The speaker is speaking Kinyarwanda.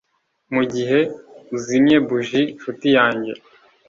mugihe uzimye buji, nshuti yanjye,